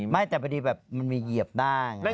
ไม่แต่ดีมันมีเหยียบน่า